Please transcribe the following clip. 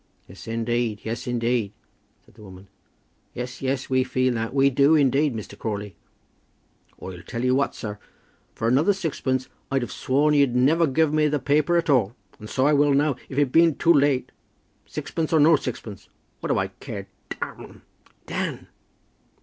"Yes, indeed; yes, indeed," said the woman. "Yes, yes, we feel that; we do indeed, Mr. Crawley." "I tell you what, sir; for another sixpence I'd 've sworn you'd never guv' me the paper at all; and so I will now, if it bean't too late; sixpence or no sixpence. What do I care? d them." "Dan!"